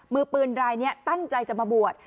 มือปืนรายนี้ตั้งใจจะมาบวช